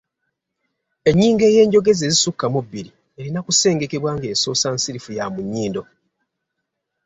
Ennyingo ey’enjogeza ezisukka mu bbiri erina kusengekebwa ng’esoosa nsirifu ya mu nnyindo.